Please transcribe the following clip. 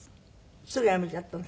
すぐ辞めちゃったの？